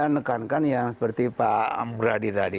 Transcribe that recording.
nekankan ya seperti pak ambradi tadi